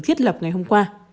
tiết lập ngày hôm qua